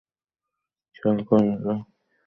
খেয়াল করিনি তো।